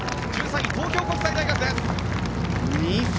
１３位、東京国際大学です。